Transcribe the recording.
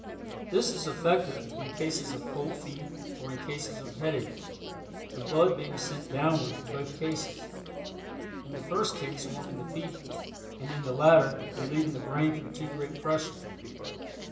This is effective in cases of cold feet or in cases of headache, the blood being sent downward in both cases, in the first case warming the feet, and in the latter, relieving the brain from too great pressure.